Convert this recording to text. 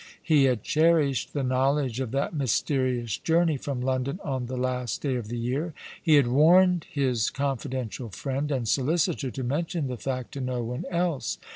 He had cherished the knowledge of that mysterious journey from London on the I last day of the year. He had warned his confidential friend and solicitor to mention the fact to no one else.